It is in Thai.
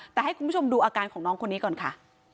แต่ให้คุณผู้ชมดูอาการของน้องคนนี้ก่อนค่ะ